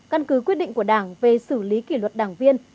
căn cứ quyết định của đảng về xử lý kỷ luật đảng viên